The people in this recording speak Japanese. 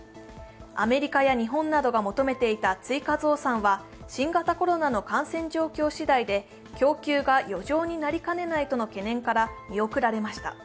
アメリカや日本などが求めていた追加増産は新型コロナの感染状況しだいで供給が余剰になりかねないとの懸念から見送られました。